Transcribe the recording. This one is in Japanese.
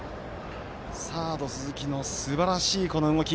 サード、鈴木のすばらしい動き。